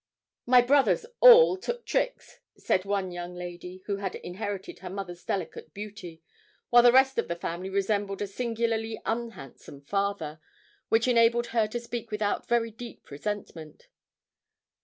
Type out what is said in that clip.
'My brothers all took tricks,' said one young lady, who had inherited her mother's delicate beauty, while the rest of the family resembled a singularly unhandsome father which enabled her to speak without very deep resentment.